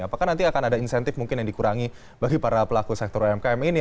apakah nanti akan ada insentif mungkin yang dikurangi bagi para pelaku sektor umkm ini